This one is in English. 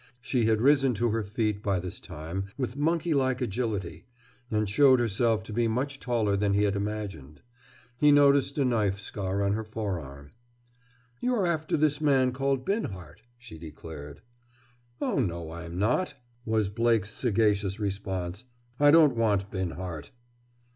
She had risen to her feet by this time, with monkey like agility, and showed herself to be much taller than he had imagined. He noticed a knife scar on her forearm. "You're after this man called Binhart," she declared. "Oh, no, I'm not," was Blake's sagacious response. "I don't want Binhart!"